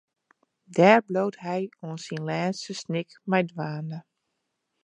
Dêr bliuwt hy oant syn lêste snik mei dwaande.